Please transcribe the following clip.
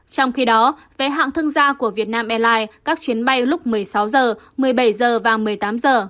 trong khi đó vé hạng thương gia của việt nam airlines các chuyến bay lúc một mươi sáu h một mươi bảy h và một mươi tám h